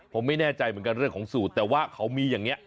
ผมไม่แน่ใจเหมือนกันเรื่องของสูตรแต่ว่าเขามีอย่างนี้